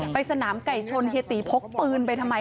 ไปสนามไก่ชนเฮียตีพกปืนไปทำไม